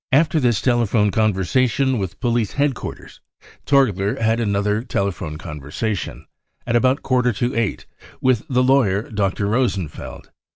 " After this telephone conversation with police head quarters Torgler had another telephone conversation, at about a quarter to eight, with the lawyer Dr. Rosen feld.